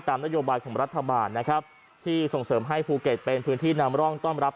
นโยบายของรัฐบาลนะครับที่ส่งเสริมให้ภูเก็ตเป็นพื้นที่นำร่องต้อนรับ